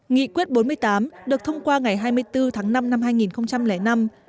nghị quyết bốn mươi tám được thông qua ngày hai mươi bốn tháng năm năm hai nghìn năm